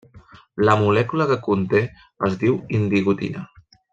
La molècula que conté es diu indigotina.